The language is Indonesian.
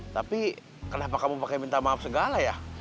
tapi kenapa kamu pakai minta maaf segala ya